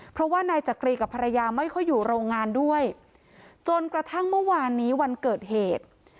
เพราะว่านายจักรีกับภรรยาไม่ค่อยอยู่โรงงานด้วยจนกระทั่งเมื่อวานนี้วันเกิดเหตุ